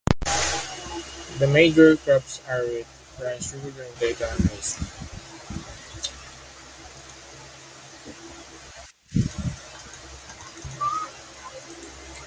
The major crops are wheat, rice, sugarcane, potato and maize.